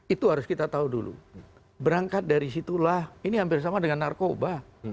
itu harus kita tahu dulu berangkat dari situlah ini hampir sama dengan narkoba